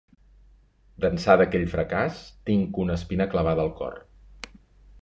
D'ençà d'aquell fracàs, tinc una espina clavada al cor.